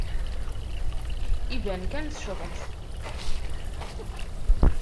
Iban kan teccḍemt.